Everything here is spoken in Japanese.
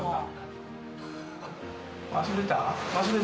忘れた？